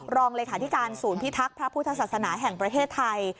รองเลขาธิการศูนย์พิทักษ์พระพุทธศาสนาแห่งประเทศไทย